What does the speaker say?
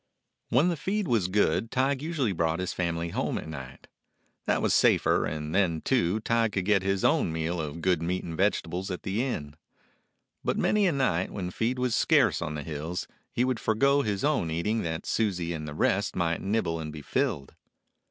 When the feed was good Tige usually brought his family home at night. That was safer, and then, too, Tige could get his own meal of good meat and vegetables at the inn. But many a night, when feed was scarce on the hills, he would forgo his own eating that Susie and the rest might nibble and be filled.